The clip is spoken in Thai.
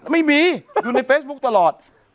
ไม่มีอยู่ในเฟซบุ๊คตลอด